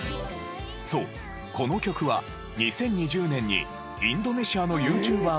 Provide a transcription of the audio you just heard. そうこの曲は２０２０年にインドネシアのＹｏｕＴｕｂｅｒがカバーを公開。